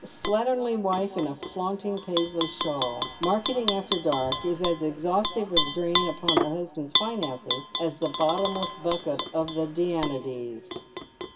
A slatternly ^\^fe in a flaunting Paisley shawl, marketing after dark, is as exhaustive a drain upon a husband's finances as the bottomless bucket of the Danaides.